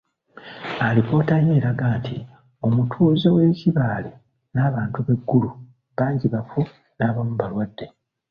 Alipoota ye eraga nti omutuuze w'e Kibaale n'abantu b'e Gulu bangi bafu n'abamu balwadde.